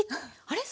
あれ？